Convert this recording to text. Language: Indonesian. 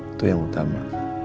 itu yang utama